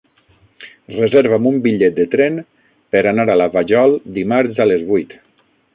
Reserva'm un bitllet de tren per anar a la Vajol dimarts a les vuit.